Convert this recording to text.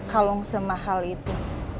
kalung semahal itu